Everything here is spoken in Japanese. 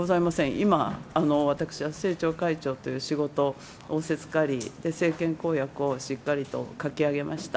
今、私は政調会長という仕事を仰せつかり、政権公約をしっかりと書き上げました。